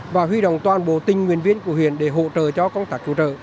chúng tôi đã đi đồng toàn bộ tinh nguyên viên của huyền để hỗ trợ cho công tác cứu trợ